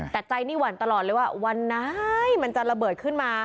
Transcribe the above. แต่ใจนี่หวั่นตลอดเลยว่าวันไหนมันจะระเบิดขึ้นมา